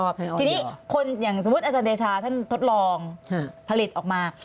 ทีนี้คนอย่างสมมุติอาจารย์เดชาท่านทดลองผลิตออกมา